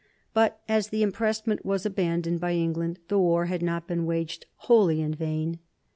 But as the impressment was abandoned by England, the war had not been waged wholly in vain.